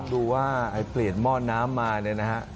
ดูว่าเปลี่ยนหม้อน้ำมาเนี่ยนะฮะ